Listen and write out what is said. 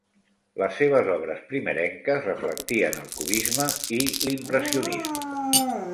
Les seves obres primerenques reflectien el cubisme i l'impressionisme.